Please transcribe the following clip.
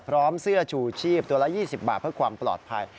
เสื้อชูชีพตัวละ๒๐บาทเพื่อความปลอดภัย